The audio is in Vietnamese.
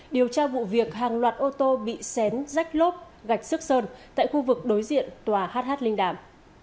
điều tra vụ việc hàng loạt ô tô bị xén rách lốp gạch rước sơn tại khu vực đối diện tòa hh linh đàm